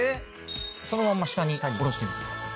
そのまんま下に下ろしてみて。